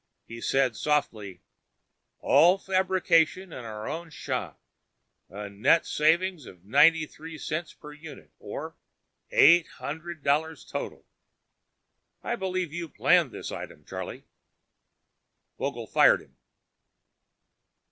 He said softly, "All fabrication in our own shop. A net saving of 93 cents per unit, or eight hundred dollars total. I believe you planned this item, Charlie." Vogel fired him.